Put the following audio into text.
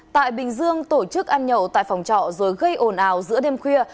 tại bình dương tổ chức ăn nhậu tại phòng trọ rồi gây ồn ào giữa đêm khuya